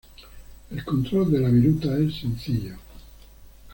El control de la viruta es sencillo.